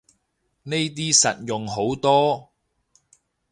呢啲實用好多